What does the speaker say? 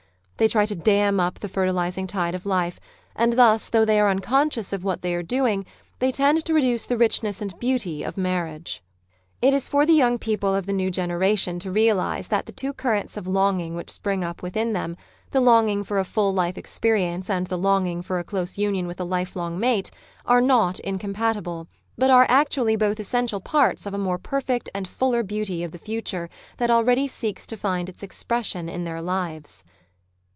They try to dam up the fertilising tide of hfc, and thus, though they are unconscious of what they are doing, they tend to reduce the richness and beauty of marriage. It is for the young people of the new generation to realise that the two currents of longing which spring up within them — the longing for a full life experience and the longing for a close union with a lifelong mate — are not incompatible, but arc actually both essential parts of the more perfect and fuller beauty of the future that already seeks to find its expression in their lives.